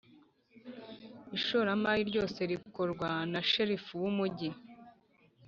Ishoramari ryose rikorwa na sherifu w’umujyi